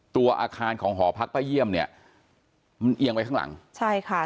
ตัวอาคารของหอพักป้าเยี่ยมเนี่ยมันเอียงไว้ข้างหลังใช่ค่ะ